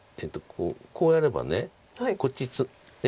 こうやればこっち。